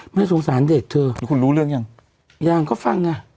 ไม่สงสารเด็กเธอแล้วคุณรู้เรื่องยังยังก็ฟังไง